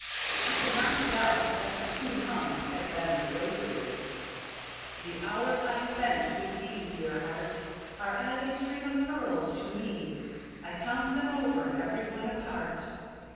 She could not doubt that the tune hummed had been THE ROSARY. "The hours I spent with thee, dear heart, Are as a string of pearls to me; I count them over, every one, apart."